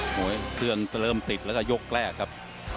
เครื่องจะเริ่มติดแล้วก็ยกแรกครับ